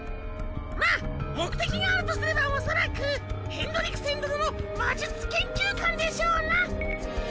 まっ目的があるとすればおそらくヘンドリクセン殿の魔術研究館でしょうな。